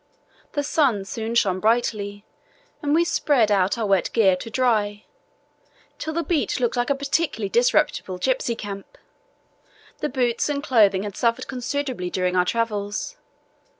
The sun soon shone brightly and we spread out our wet gear to dry, till the beach looked like a particularly disreputable gipsy camp. The boots and clothing had suffered considerably during our travels.